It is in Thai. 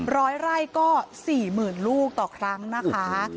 ร้อยไร่ก็๔๐๐๐๐ลูกต่อครั้งนะคะ